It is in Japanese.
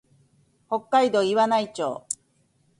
北海道岩内町